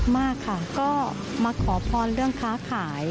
มากค่ะก็มาขอพรเรื่องค้าขาย